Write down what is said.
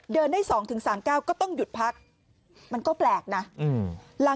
เดินได้๒๓๙ก็ต้องหยุดพักมันก็แปลกนะ